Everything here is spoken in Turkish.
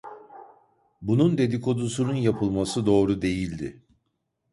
Bunun dedikodusunun yapılması doğru değildi.